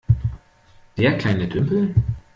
Der kleine Tümpel?